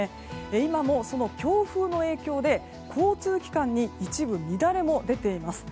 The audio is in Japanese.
今も、その強風の影響で交通機関に一部乱れも出ています。